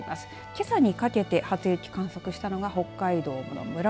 けさにかけて初雪を観測したのが北海道の室蘭。